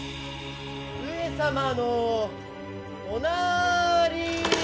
上様のおなーりー！